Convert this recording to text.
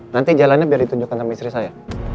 nanti jalannya biar ditunjukkan sama istri saya